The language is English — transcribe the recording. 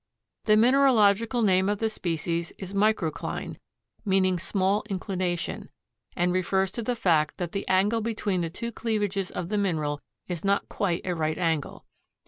The mineralogical name of the species is micro cline, meaning small inclination, and refers to the fact that the angle between the two cleavages of the mineral is not quite a right angle.